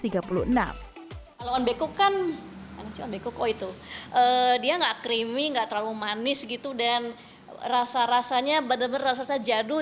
kalau ombekuk kan dia nggak creamy nggak terlalu manis gitu dan rasa rasanya benar benar rasa jadul